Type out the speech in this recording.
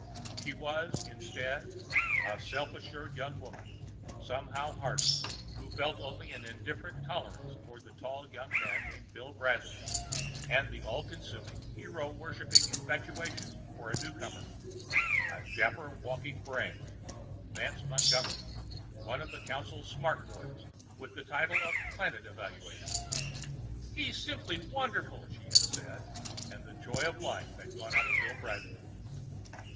She was, instead, a self assured young woman, somehow harder, who felt only an indifferent tolerance toward a tall young man named Bill Bradley, and an all consuming, hero worshipping infatuation for a newcomer, a dapper walking brain, Vance Montgomery, one of the council's smart boys, with the title of planet evaluator. "He's simply wonderful," she had said. And the joy of life had gone out of Bill Bradley.